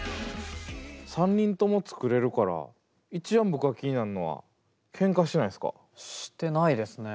３人とも作れるから一番僕が気になんのはしてないですね。